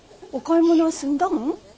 お買い物は済んだん？